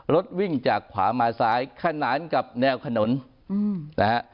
รถวิ่งจากขวามาซ้ายขนานกับแนวถนนนะฮะ